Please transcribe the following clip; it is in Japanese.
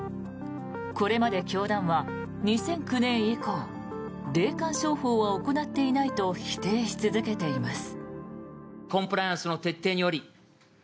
これまで教団は２００９年以降霊感商法は行っていないと否定し続けています。